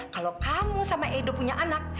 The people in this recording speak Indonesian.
kalau kamu sama edo punya anak